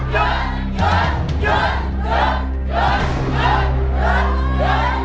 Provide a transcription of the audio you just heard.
หยุด